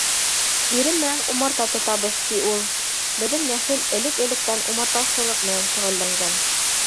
— Ирем менән умарта тотабыҙ, — ти ул. Беҙҙең нәҫел элек-электән умартасылыҡ менән шөғөлләнгән.